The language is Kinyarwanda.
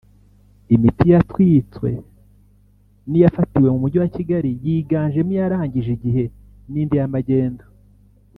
Imiti yatwitswe ni iyafatiwe mu Mujyi wa Kigali yiganjemo iyarangije igihe n’indi ya magendu